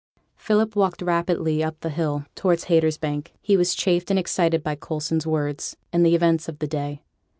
Philip walked rapidly up the hill road towards Haytersbank. He was chafed and excited by Coulson's words, and the events of the day.